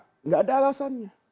tidak ada alasannya